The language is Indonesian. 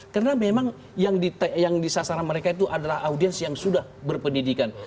karena memang yang disasaran mereka itu adalah audiens yang sudah berpendidikan